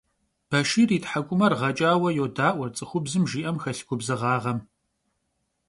Башир и тхьэкӀумэр гъэкӀауэ йодаӀуэ цӀыхубзым жиӀэм хэлъ губзыгъагъэм.